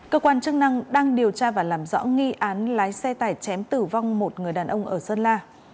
cơ quan chức năng đang điều tra và làm rõ nghi án lái xe tải chém tử vong một người đàn ông ở sơn la